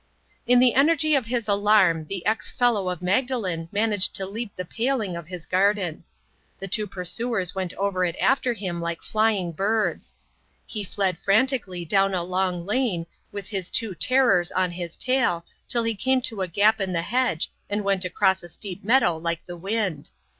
In the energy of his alarm the ex Fellow of Magdalen managed to leap the paling of his garden. The two pursuers went over it after him like flying birds. He fled frantically down a long lane with his two terrors on his trail till he came to a gap in the hedge and went across a steep meadow like the wind.